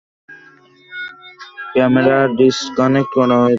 Camera disconnect করা হয়েছে।